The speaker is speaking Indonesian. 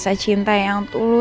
seseorang yang di k aquilo